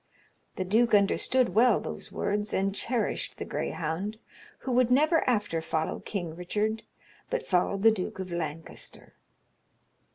The duke understoode well those words, and cheryshed the grayhounde, who would never after followe Kynge Richarde, but followed the Duke of Lancaster."